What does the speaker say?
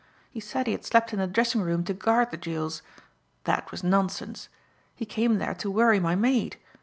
He said he had slept in the dressing room to guard the jewels. That was nonsense. He came there to worry my maid.